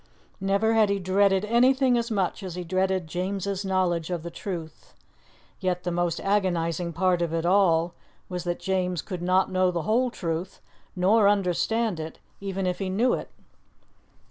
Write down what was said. Never had he dreaded anything as much as he dreaded James's knowledge of the truth; yet the most agonizing part of it all was that James could not know the whole truth, nor understand it, even if he knew it.